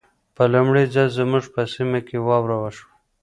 په لمړي ځل زموږ په سيمه کې واوره وشوه.